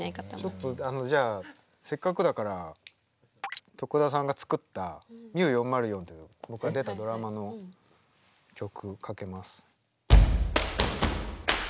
ちょっとじゃあせっかくだから得田さんが作った「ＭＩＵ４０４」という僕が出たドラマの曲かけます。